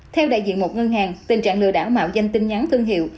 theo đại diện một ngân hàng tình trạng lừa đảo mạo danh tin nhắn thương hiệu